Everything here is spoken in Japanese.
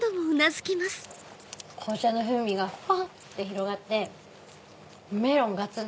紅茶の風味がふわって広がってメロンガツン！